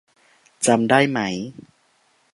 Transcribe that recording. จำได้ไหม ?